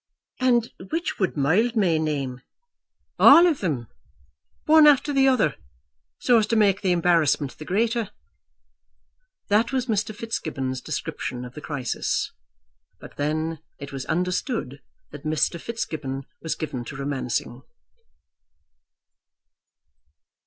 "And which would Mildmay name?" "All of them, one after the other, so as to make the embarrassment the greater." That was Mr. Fitzgibbon's description of the crisis; but then it was understood that Mr. Fitzgibbon was given to romancing.